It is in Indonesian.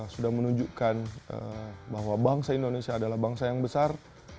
sudah menunjukkan bahwa bangsa indonesia adalah bangsa yang besar